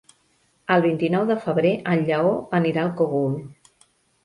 El vint-i-nou de febrer en Lleó anirà al Cogul.